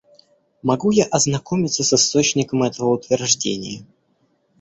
Могу я ознакомиться с источником этого утверждения?